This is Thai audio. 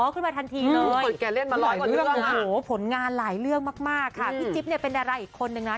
ขึ้นมาทันทีเลยโอ้โหผลงานหลายเรื่องมากมากค่ะพี่จิ๊บเนี่ยเป็นดาราอีกคนนึงนะ